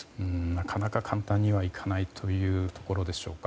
なかなか簡単にはいかないというところでしょうか。